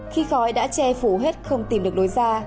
khi khói đã che phủ hết không tìm được lối ra